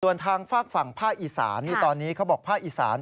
ส่วนทางฝากฝั่งภาษีอีถาริยีตอนนี้เขาบอกฝากฝากฝั่งอีถาริยี